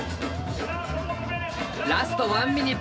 ラスト１ミニッツ。